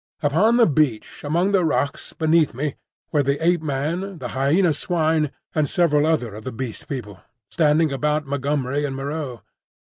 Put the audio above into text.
Upon the beach among the rocks beneath me were the Ape man, the Hyena swine, and several other of the Beast People, standing about Montgomery and Moreau.